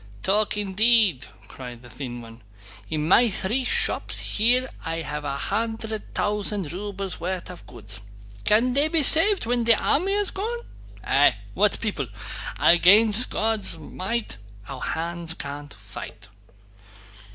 "Talk indeed!" cried the thin one. "In my three shops here I have a hundred thousand rubles' worth of goods. Can they be saved when the army has gone? Eh, what people! 'Against God's might our hands can't fight.